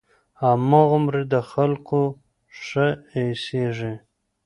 هماغومره د خلقو ښه اېسېږي.